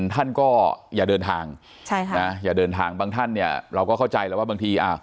ท่านก็อย่าเดินทางใช่ค่ะนะอย่าเดินทางบางท่านเนี่ยเราก็เข้าใจแล้วว่าบางทีอ่า